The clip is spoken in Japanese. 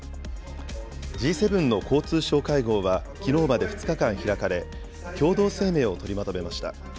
Ｇ７の交通相会合はきのうまで２日間開かれ、共同声明を取りまとめました。